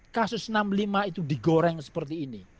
kasus enam puluh lima itu digoreng seperti ini